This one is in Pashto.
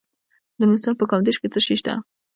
د نورستان په کامدیش کې څه شی شته؟